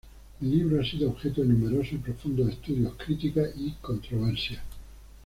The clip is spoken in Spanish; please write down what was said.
El libro ha sido objeto de numerosos y profundos estudios, críticas y controversias.